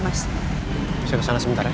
mas saya kesana sebentar ya